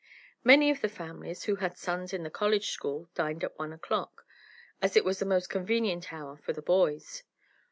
Many of the families who had sons in the college school dined at one o'clock, as it was the most convenient hour for the boys.